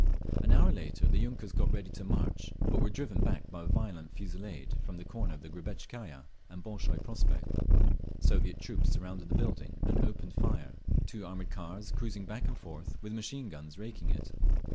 An hour later the yunkers got ready to march, but were driven back by a violent fusillade from the corner of the Grebetskaya and the Bolshoy Prospekt. Soviet troops surrounded the building and opened fire, two armoured cars cruising back and forth with machine guns raking it.